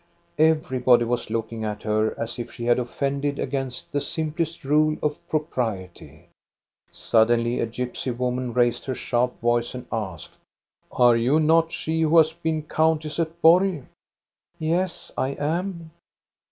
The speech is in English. Everybody was looking at her as if she had offended against the simplest rule of propriety. Suddenly a gypsy woman raised her sharp voice and asked: " Are you not she who has been countess at Borg?" " Yes, I am."